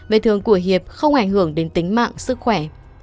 vết thương của hiệp không ảnh hưởng đến tính mạng sức khỏe